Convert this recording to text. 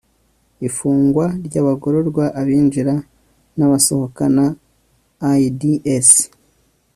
imfungwa n'abagororwa, abinjira n'abasohoka, na lds